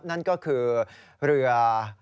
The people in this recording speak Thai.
นั่นก็คือเรือ